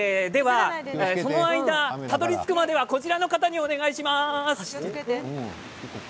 その間、たどりつくまでこちらの方にお願いします。